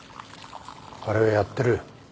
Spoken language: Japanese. あれはやってる。